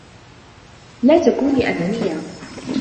لا تكوني أنانيّة!